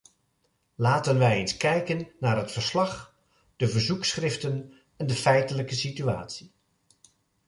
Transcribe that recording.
Laten wij eens kijken naar het verslag, de verzoekschriften en de feitelijke situatie.